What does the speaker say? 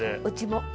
うちも。